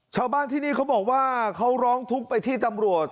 ชาวบ้านที่นี่เขาบอกว่าเขาร้องทุกข์ไปที่ตำรวจ